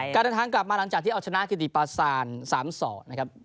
การรับทางกลับมาหลังจากที่อาจจะชนะกิติปาสาน๓สอนนะครับ